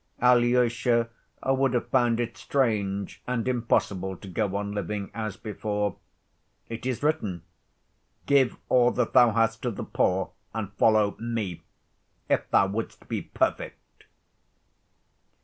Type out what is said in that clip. Alyosha would have found it strange and impossible to go on living as before. It is written: "Give all that thou hast to the poor and follow Me, if thou wouldst be perfect."